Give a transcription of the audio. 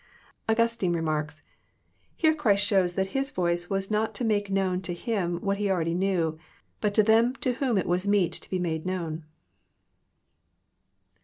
Augustine remarks :'* Here Christ shows that his voice was not to make known to Him what He already knew, but to them to whom it was meet to be made known."